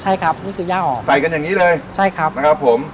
ใช่ครับนี่คือย่าออกใส่กันอย่างนี้เลยใช่ครับนะครับผม